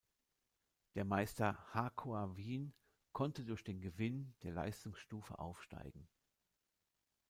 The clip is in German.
Der Meister Hakoah Wien konnte durch den Gewinn der Leistungsstufe aufsteigen.